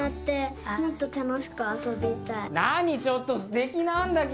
なにちょっとすてきなんだけど。